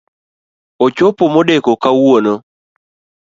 Ochopo modeko kawuono